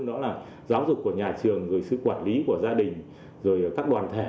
đó là giáo dục của nhà trường rồi sự quản lý của gia đình rồi các đoàn thể